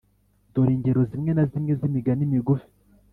Dore ingero zimwe na zimwe z’imigani migufi.